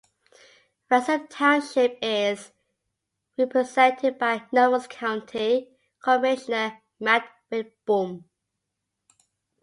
Ransom Township is represented by Nobles County Commissioner Matt Widboom.